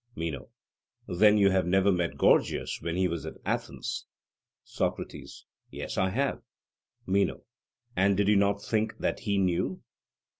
MENO: Then you have never met Gorgias when he was at Athens? SOCRATES: Yes, I have. MENO: And did you not think that he knew?